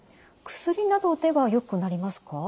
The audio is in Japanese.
薬などではよくなりますか？